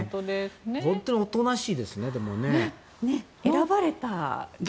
本当におとなしいですね。